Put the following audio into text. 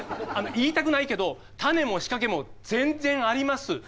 言いたくないけどタネも仕掛けも全然あります。